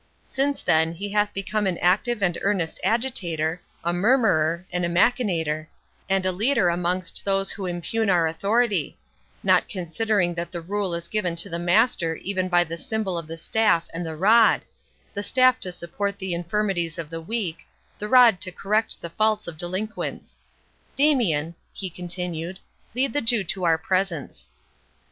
Since then, he hath become an active and earnest agitator, a murmurer, and a machinator, and a leader amongst those who impugn our authority; not considering that the rule is given to the Master even by the symbol of the staff and the rod—the staff to support the infirmities of the weak—the rod to correct the faults of delinquents.—Damian," he continued, "lead the Jew to our presence."